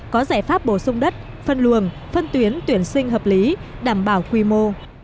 có giải pháp bổ sung đất phân luồng phân tuyến tuyển sinh hợp lý đảm bảo quy mô